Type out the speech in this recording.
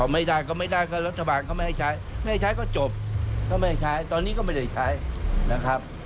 ไม่ได้ก็ไม่ได้ก็รัฐบาลก็ไม่ให้ใช้ไม่ให้ใช้ก็จบก็ไม่ให้ใช้ตอนนี้ก็ไม่ได้ใช้นะครับ